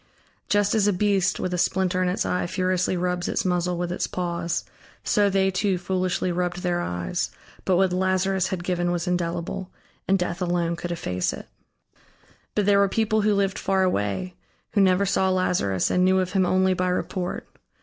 Just as a beast with a splinter in its eye furiously rubs its muzzle with its paws, so they too foolishly rubbed their eyes, but what Lazarus had given was indelible, and Death alone could efface it. But there were people who lived far away, who never saw Lazarus and knew of him only by report.